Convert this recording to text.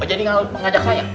oh jadi ngajak saya